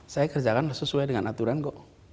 saya kerjakan sesuai dengan aturan kok